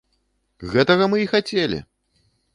Гэтага мы і хацелі!